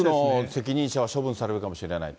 責任者が処分されるかもしれない。